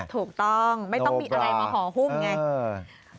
ถูกต้องไม่ต้องมีอะไรมาห่อหุ้มไง